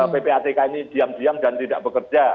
ppatk ini diam diam dan tidak bekerja